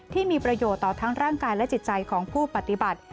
ที่มีประโยชน์ต่อทั้งร่างกายและจิตใจของผู้ปฏิบัติ